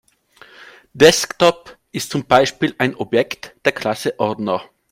Desktop ist zum Beispiel ein Objekt der Klasse Ordner.